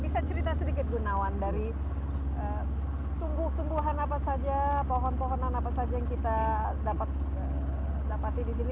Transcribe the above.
bisa cerita sedikit gunawan dari tumbuh tumbuhan apa saja pohon pohonan apa saja yang kita dapati di sini